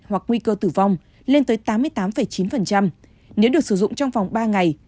hoặc nguy cơ tử vong lên tới tám mươi tám chín nếu được sử dụng trong vòng ba ngày